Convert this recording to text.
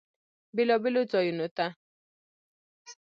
بیلابیلو ځایونو ته